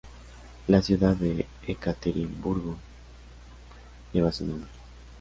La ciudad de Ekaterimburgo lleva su nombre.